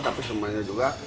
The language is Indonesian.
tapi semuanya juga